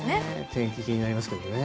天気気になりますけどね。